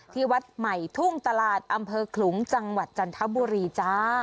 ที่วัดใหม่ทุ่งตลาดอำเภอขลุงจังหวัดจันทบุรีจ้า